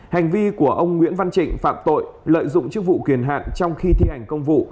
hành vi của ông nguyễn văn trịch phạm tội lợi dụng chức vụ quyền hạng trong khi thi hành công vụ